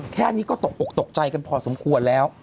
แค่นี้ก็ตกอกตกใจกันพอสมควรแล้ว